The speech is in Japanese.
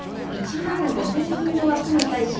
１万５０００人の枠に対し、